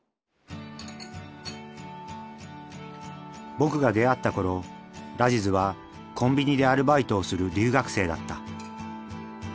僕が出会った頃ラジズはコンビニでアルバイトをする留学生だった。